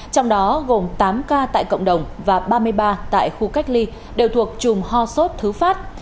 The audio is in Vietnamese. trong đó gồm tám ca tại cộng đồng và ba mươi ba tại khu cách ly đều thuộc chùm ho sốt thứ phát